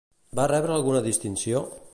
Van rebre alguna distinció?